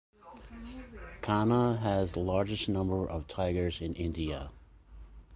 Kanha has the largest number of tigers in India.